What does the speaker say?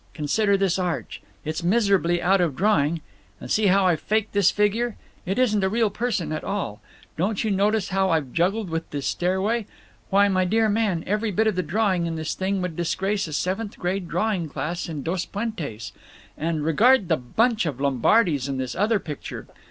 Consider this arch. It's miserably out of drawing. And see how I've faked this figure? It isn't a real person at all. Don't you notice how I've juggled with this stairway? Why, my dear man, every bit of the drawing in this thing would disgrace a seventh grade drawing class in Dos Puentes. And regard the bunch of lombardies in this other picture.